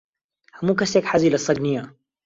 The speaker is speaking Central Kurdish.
ھەموو کەسێک حەزی لە سەگ نییە.